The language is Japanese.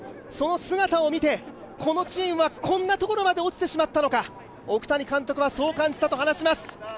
その姿を見て、このチームはこんなところまで落ちてしまったのか、奥谷監督はそう感じたと話します。